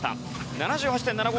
７８．７５。